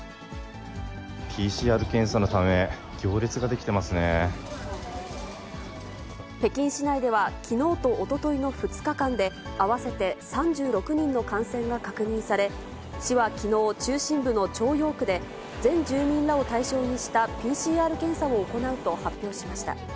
ＰＣＲ検査のため、行列が出北京市内では、きのうとおとといの２日間で、合わせて３６人の感染が確認され、市はきのう、中心部の朝陽区で、全住民らを対象にしたＰＣＲ検査を行うと発表しました。